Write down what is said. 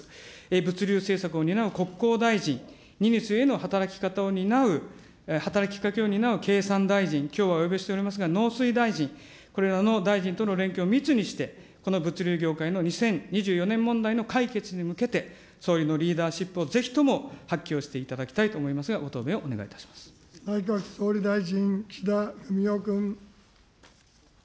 物流政策を担う国交大臣、荷主への働き方を担う、働きかけを担う、経産大臣、きょうはお呼びしておりますが、農水大臣、これらの大臣との連携を密にして、この物流業界の２０２４年問題の解決に向けて、総理のリーダーシップをぜひとも発揮をしていただきたいと思いま内閣総理大臣、岸田文雄君。